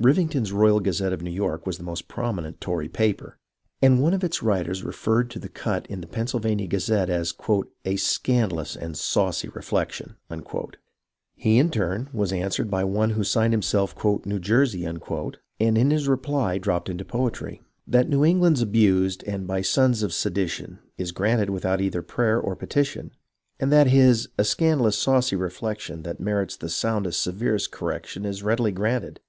Rivington's Royal Gazette of New York was the most prominent Tory pajDcr, and one of its writers referred to the cut in the Pennsylvania Gazette as " a scandalous and saucy reflection." He, in turn, was answered by one who signed himself " New Jersey," and in his reply dropped into poetry :—" That New England's abused, and by sons of sedition, Is granted without either prayer or petition ; And that His ' a scandalous saucy reflection ' That merits the soundest severest correction, Is readily granted.